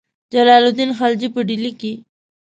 جلال الدین خلجي په ډهلي کې.